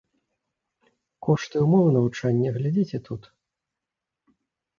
Кошт і ўмовы навучання глядзіце тут.